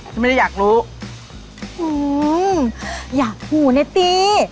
ฉันไม่ได้อยากรู้อืมอยากขู่นะตี